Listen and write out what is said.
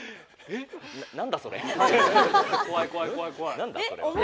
何だそれ。